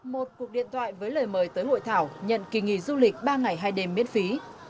một cuộc điện thoại với lời mời tới hội thảo nhận kỳ nghỉ du lịch ba ngày hai đêm miễn phí